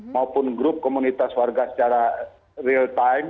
maupun grup komunitas warga secara real time